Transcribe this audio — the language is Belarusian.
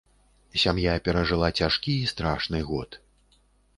Сям'я перажыла цяжкі і страшны год.